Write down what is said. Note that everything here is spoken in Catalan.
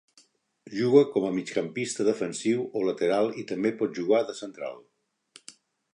Juga com a migcampista defensiu o lateral i també pot jugar de central.